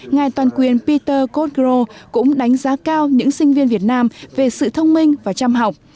ngài toàn quyền peter cotgro cũng đánh giá cao những sinh viên việt nam về sự thông minh và chăm học